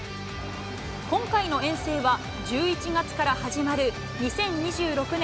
今回の遠征は、１１月から始まる２０２６年